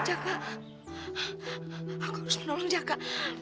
jaga aku harus menolong jaka